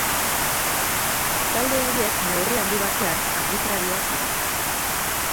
Talde horiek neurri handi batean arbitrarioak dira.